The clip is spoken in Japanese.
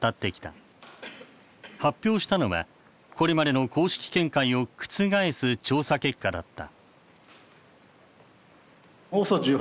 発表したのはこれまでの公式見解を覆す調査結果だった。